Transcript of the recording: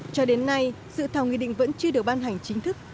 cho đến nay sự thảo nghi định vẫn chưa được ban hành chính thức